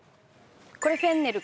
これフェンネル。